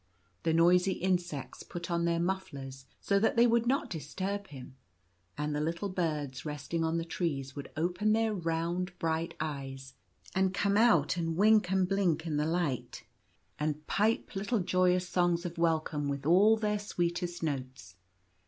The noisy insects put on their mufflers so that they would not disturb him ; and the little birds resting on the trees would open their round bright eyes, and come out and blink and wink in the 1 6 The Great White Plume. light, and pipe little joyous songs of welcome with all their sweetest notes.